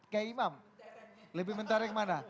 kiai imam lebih mentaranya kemana